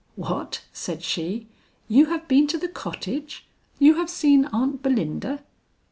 "What!" said she, "you have been to the cottage? You have seen Aunt Belinda?"